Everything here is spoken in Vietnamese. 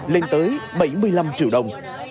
lên tới bảy mươi năm triệu đồng